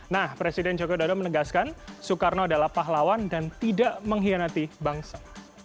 nah presiden joko widodo menegaskan soekarno adalah pahlawan dan tidak mengkhianati bangsa